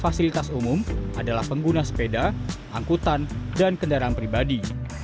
fasilitas umum adalah pengguna sepeda angkutan dan kendaraan pribadi